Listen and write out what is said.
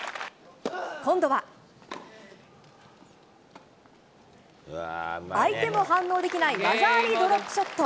今度は、相手を反応できない、技ありドロップショット。